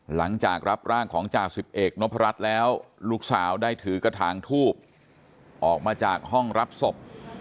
หลังจากรับร่างของจ่าสิบเอกนพรัชแล้วลูกสาวได้ถือกระถางทูบออกมาจากห้องรับศพ